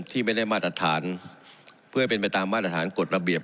ที่ไม่ได้มาตรฐานเพื่อให้เป็นไปตามมาตรฐานกฎระเบียบ